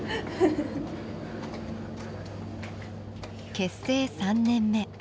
結成３年目。